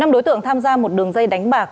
năm đối tượng tham gia một đường dây đánh bạc